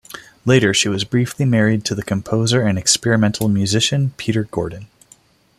Later, she was briefly married to the composer and experimental musician, Peter Gordon.